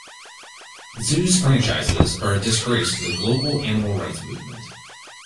Zoos franchises are a disgrace to the global animal rights movement.